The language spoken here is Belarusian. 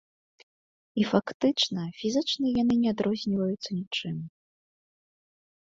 І, фактычна, фізічна яны не адрозніваюцца нічым.